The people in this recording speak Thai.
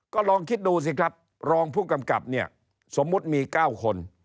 ก็ลองคิดดูสิครับรองผู้กำกับเนี่ยสมมุติมี๙คน